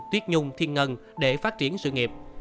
tuyết nhung thiên ngân để phát triển sự nghiệp